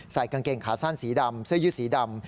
กางเกงขาสั้นสีดำเสื้อยืดสีดำ